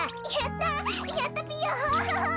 やったぴよん。